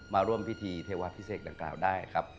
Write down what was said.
มาร่วมพิธีเทวะพิเศษดังกล่าวได้ครับ